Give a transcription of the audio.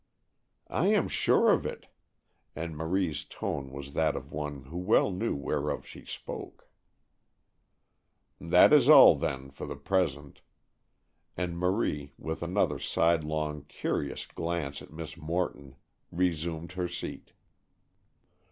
"I am sure of it;" and Marie's tone was that of one who well knew whereof she spoke. "That is all, then, for the present;" and Marie, with another sidelong, curious glance at Miss Morton, resumed her seat.